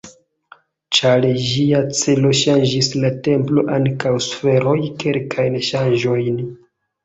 Ĉar ĝia celo ŝanĝis la templo ankaŭ suferoj kelkajn ŝanĝojn.